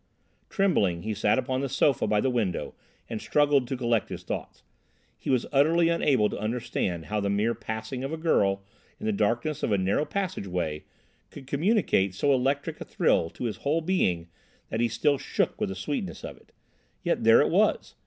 Trembling, he sat upon the sofa by the window and struggled to collect his thoughts. He was utterly unable to understand how the mere passing of a girl in the darkness of a narrow passage way could communicate so electric a thrill to his whole being that he still shook with the sweetness of it. Yet, there it was!